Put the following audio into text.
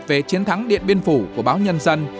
về chiến thắng điện biên phủ của báo nhân dân